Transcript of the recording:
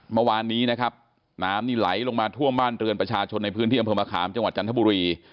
เมื่อวานนี้นะครับน้ำนี่ไหลลงมาท่วมบ้านเรือนประชาชนในพื้นที่อำเภอมะขามจังหวัดจันทบุรี